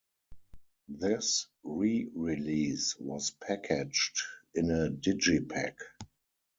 This re-release was packaged in a digipack.